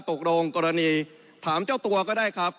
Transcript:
ตกลงกรณีถามเจ้าตัวก็ได้ครับ